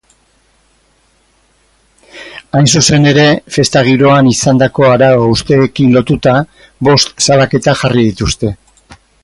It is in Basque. Hain zuzen ere, festa-giroan izandako arau-hausteekin lotuta, bost salaketa jarri dituzte.